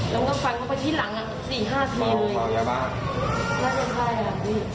แล้วมันก็ฟันเข้าไปที่หลัง๔๕ครีมน่าจะใครอ่ะ